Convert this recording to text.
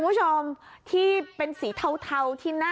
ดูนะคะนี่ทำผู้หญิง